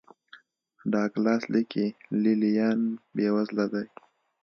ډاګلاس لیکي لې لیان بېوزله دي.